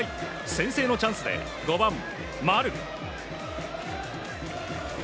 先制のチャンスで５番、丸。